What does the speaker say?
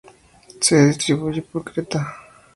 Se distribuye por Creta.